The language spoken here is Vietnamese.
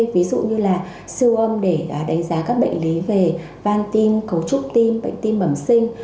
ví dụ như là siêu âm để đánh giá các bệnh lý về van tim cấu trúc tim bệnh tim bẩm sinh